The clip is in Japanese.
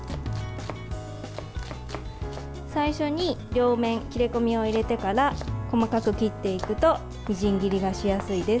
最初に両面切れ込みを入れてから細かく切っていくとみじん切りがしやすいです。